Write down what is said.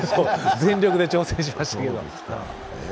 全力で挑戦しましたけど。